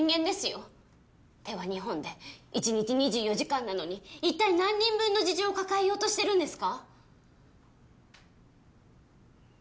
手は２本で一日２４時間なのにいったい何人分の事情を抱えようとしてるんですか？